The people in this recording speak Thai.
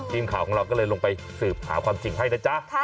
หลายคนของเราก็เลยลงไปสืบหาความสิ่งให้นะจ๊ะ